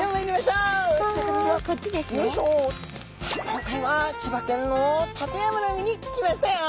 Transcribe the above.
今回は千葉県の館山の海に来ましたよ。